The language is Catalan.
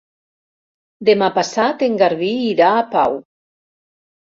Demà passat en Garbí irà a Pau.